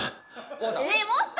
ねえもっと！